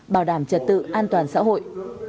bảo đảm trật tự an toàn xã hội